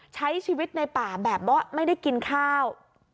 ใช้ชีวิตในป่าแบบว่าไม่ได้กินข้าว